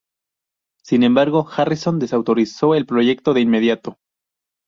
Sin embargo, Harrison desautorizó el proyecto de inmediato.